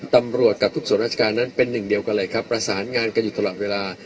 กับทุกส่วนราชการนั้นเป็นหนึ่งเดียวกันเลยครับประสานงานกันอยู่ตลอดเวลา